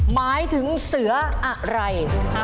หมายถึงเสืออะไร